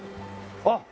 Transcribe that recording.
あっ！